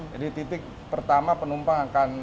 jadi titik pertama penumpang akan